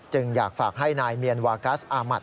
อยากฝากให้นายเมียนวากัสอามัติ